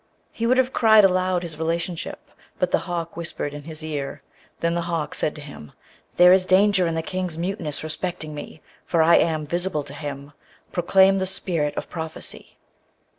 He would have cried aloud his relationship, but the hawk whispered in his ear. Then the hawk said to him, 'There is danger in the King's muteness respecting me, for I am visible to him. Proclaim the spirit of prophecy.'